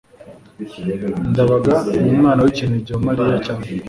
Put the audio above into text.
ndabaga ni umwana w'ikinege wa mariya cyane